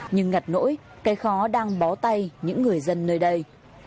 nhưng ngặt nỗi cái khó đang bó tay những người dân nơi đây